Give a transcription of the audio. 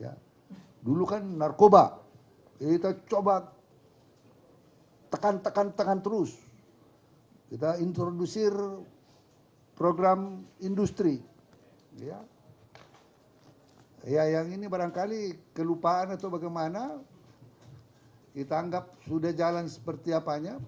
ya dulu kan narkoba kita coba tekan tekan tekan terus kita introducir program industri ya yang ini barangkali kelupaan atau bagaimana kita anggap sudah jalan seperti apanya